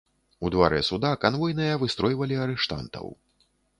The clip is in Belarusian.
У дварэ суда канвойныя выстройвалі арыштантаў.